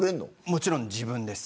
もちろん自分です。